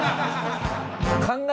考え